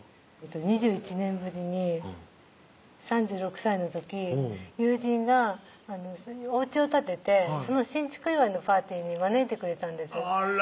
２１年ぶりに３６歳の時友人がおうちを建ててその新築祝のパーティーに招いてくれたんですあら